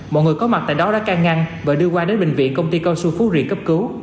mọi người có mặt tại đó đã can ngăn và đưa qua đến bệnh viện công ty cao su phú riêng cấp cứu